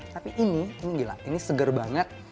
tapi ini ini gila ini segar banget